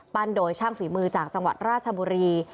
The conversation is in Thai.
โดยช่างฝีมือจากจังหวัดราชบุรี